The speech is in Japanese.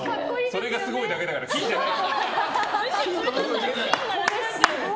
それがすごいだけだから金じゃない。